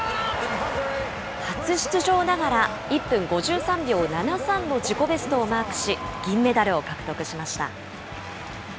初出場ながら、１分５３秒７３の自己ベストをマークし、銀メダルを獲得しました。